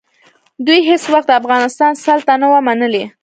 دوی هېڅ وخت د افغانستان سلطه نه وه منلې.